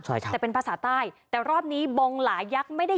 ใช่ครับแต่เป็นภาษาใต้แต่รอบนี้บงหลายยักษ์ไม่ได้